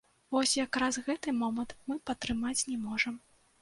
Вось якраз гэты момант мы падтрымаць не можам.